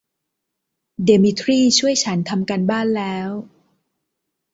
เดมิทรี่ช่วยฉันทำการบ้านแล้ว